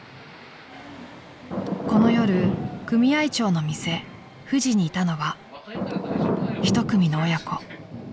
［この夜組合長の店ふじにいたのは１組の親子］